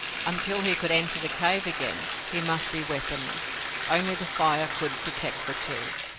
Until he could enter the cave again he must be weaponless. Only the fire could protect the two.